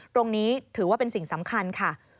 ตรงนี้ถือว่าเป็นสิ่งสำคัญค่ะ